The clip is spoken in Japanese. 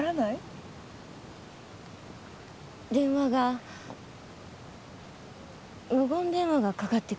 電話が無言電話がかかってくるんです。